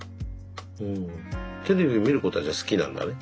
テレビを見ることはじゃあ好きなんだね？